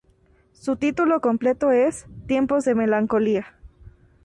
Su título completo es "Tiempos de melancolía.